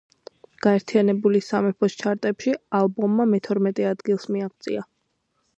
გაერთიანებული სამეფოს ჩარტებში ალბომმა მეთორმეტე ადგილს მიაღწია.